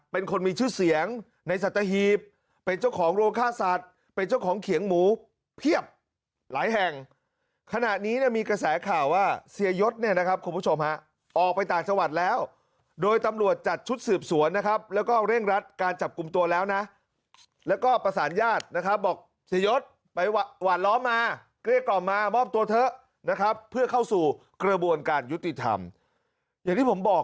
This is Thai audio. เป็นคนมีชื่อเสียงในสัตว์ฮีบเป็นเจ้าของโรคฆาตสัตว์เป็นเจ้าของเขียงหมูเพียบหลายแห่งขณะนี้มีกระแสข่าวว่าเสียยศเนี่ยนะครับคุณผู้ชมฮะออกไปต่างจังหวัดแล้วโดยตำรวจจัดชุดสืบสวนนะครับแล้วก็เร่งรัดการจับกลุ่มตัวแล้วนะแล้วก็ประสานญาตินะครับบอกเสียยศไปหว่านล้อมมาเกลียดก